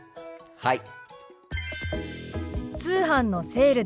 はい。